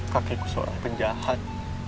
kakekku seorang penjahat